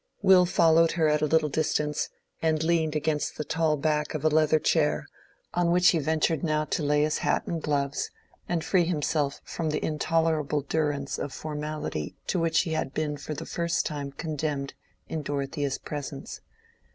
Will followed her at a little distance, and leaned against the tall back of a leather chair, on which he ventured now to lay his hat and gloves, and free himself from the intolerable durance of formality to which he had been for the first time condemned in Dorothea's presence.